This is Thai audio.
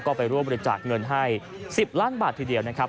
ก็ไปร่วมบริจาคเงินให้๑๐ล้านบาททีเดียวนะครับ